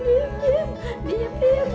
diam diam diam